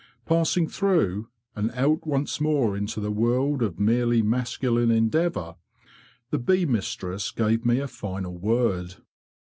Passing through and out once more into the world of merely masculine endeavour, the bee mistress gave me a final word.